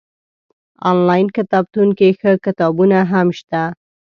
انلاين کتابتون کي ښه کتابونه هم شته